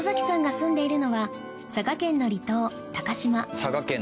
佐賀県。